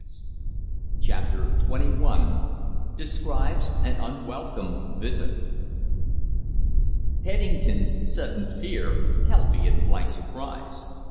_" CHAPTER TWENTY ONE DESCRIBES AN UNWELCOME VISIT Pennington's sudden fear held me in blank surprise.